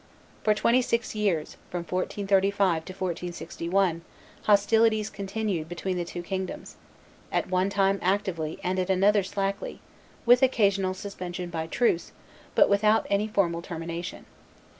For twenty six years, from 1435 to 1461, hostilities continued between the two kingdoms, at one time actively and at another slackly, with occasional suspension by truce, but without any formal termination.